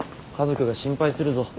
家族が心配するぞ。